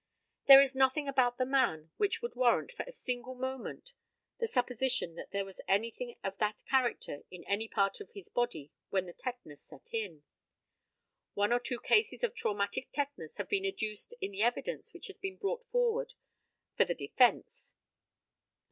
There was nothing about the man which would warrant, for a single moment, the supposition that there was anything of that character in any part of his body when the tetanus set in. One or two cases of traumatic tetanus have been adduced in the evidence which has been brought forward for the defence.